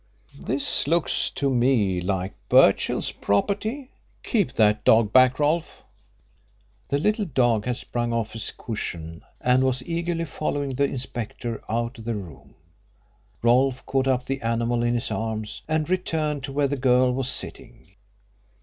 "This looks to me like Birchill's property. Keep that dog back, Rolfe." The little dog had sprung off his cushion and was eagerly following the inspector out of the room. Rolfe caught up the animal in his arms, and returned to where the girl was sitting.